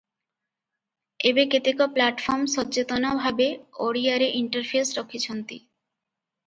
ଏବେ କେତେକ ପ୍ଲାଟଫର୍ମ ସଚେତନ ଭାବେ ଓଡ଼ିଆରେ ଇଣ୍ଟରଫେସ ରଖିଛନ୍ତି ।